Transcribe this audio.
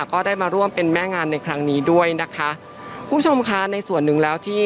ก็ได้มาร่วมเป็นแม่งานในครั้งนี้ด้วยนะคะคุณผู้ชมค่ะในส่วนหนึ่งแล้วที่